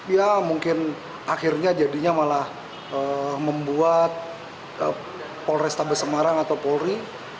ya mungkin akhirnya jadinya malah membuat polrestabes semarang atau polri